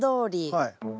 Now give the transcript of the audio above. はい。